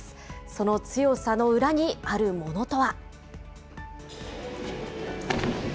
その強さの裏に、あるものとは。